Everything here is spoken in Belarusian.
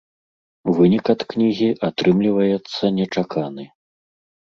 Вынік ад кнігі атрымліваецца нечаканы.